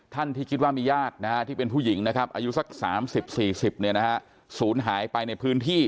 ท่านที่คิดว่ามีญาติที่เป็นผู้หญิงอายุสัก๓๐๔๐สูญหายไปในพื้นที่